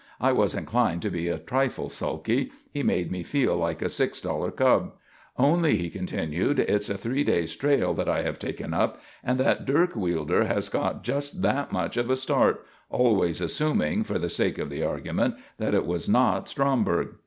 I was inclined to be a trifle sulky; he made me feel like a six dollar cub. "Only," he continued, "it's a three days' trail that I have taken up, and that dirk wielder has got just that much of a start always assuming, for the sake of the argument, that it was not Stromberg."